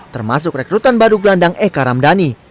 termasuk rekrutan badug landang eka ramdhani